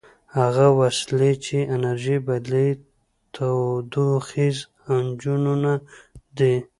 هغه وسیلې چې انرژي بدلوي تودوخیز انجنونه دي.